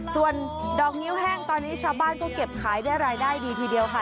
ส่วนดอกนิ้วแห้งตอนนี้ชาวบ้านก็เก็บขายได้รายได้ดีทีเดียวค่ะ